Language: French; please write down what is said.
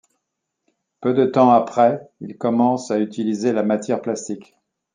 Peu de temps après, il commence à utiliser la matière plastique.